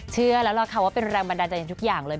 เชื่อแล้วล่ะค่ะว่าเป็นแรงบันดาลใจอย่างทุกอย่างเลย